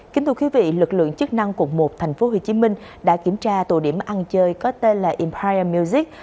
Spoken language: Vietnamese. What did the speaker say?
kính thưa quý vị lực lượng chức năng cục một tp hcm đã kiểm tra tổ điểm ăn chơi có tên là empire music